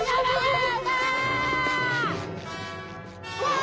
あ！